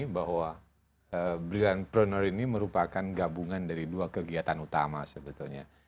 bahwa brilliantpreneur ini merupakan gabungan dari dua kegiatan utama sebetulnya